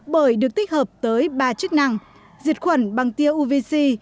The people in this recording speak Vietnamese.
bởi được tích hợp tới ba chức năng diệt khuẩn bằng tia uvc